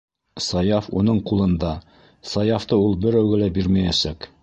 Саяф уның ҡулында, Саяфты ул берәүгә лә бирмәйәсәк!..